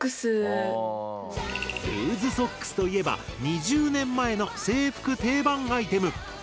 ルーズソックスといえば２０年前の制服定番アイテム。